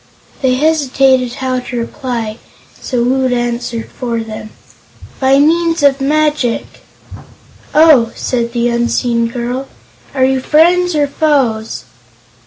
They hesitated how to reply, so Woot answered for them: "By means of magic." "Oh," said the unseen girl. "Are you friends, or foes?"